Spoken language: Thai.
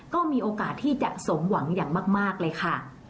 ก็มีโอกาสที่จะสมหวังอย่างมากเลยค่ะ